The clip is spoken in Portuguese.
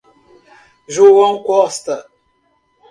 João Costa